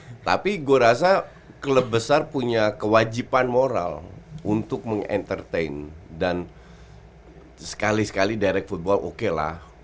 sekali sekali direct football oke lah tapi gua rasa klub besar punya kewajiban moral untuk meng entertain dan sekali sekali direct football oke lah